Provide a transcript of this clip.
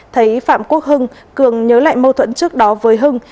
thấy phạm quốc hưng cường nhớ lại mâu thuẫn trước đó với hưng